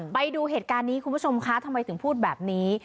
ไปดูเหตุการณ์นี้คุณผู้ชมคะทำไมถึงพูดแบบนี้